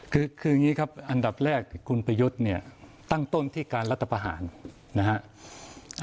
คืออย่างนี้ครับอันดับแรกคุณประยุทธ์เนี่ยตั้งต้นที่การรัฐประหารนะฮะ